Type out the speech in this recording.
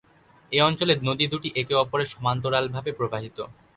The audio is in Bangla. এ অঞ্চলে নদী দুটি একে-অপরের সমান্তরালভাবে প্রবাহিত।